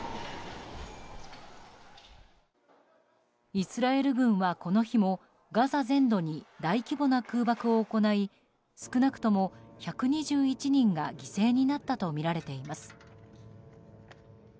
イスラエル軍はこの日もガザ全土に大規模な空爆を行い少なくとも１２１人が犠牲になったとみられています。